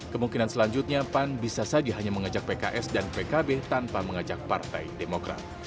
kemungkinan selanjutnya pan bisa saja hanya mengajak pks dan pkb tanpa mengajak partai demokrat